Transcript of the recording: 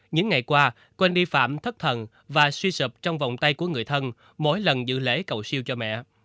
những ngày qua quên đi phạm thất thần và suy sụp trong vòng tay của người thân mỗi lần giữ lễ cầu siêu cho mẹ